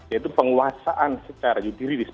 yaitu penguasaan secara juridis